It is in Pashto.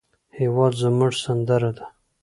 هېواد زموږ سندره ده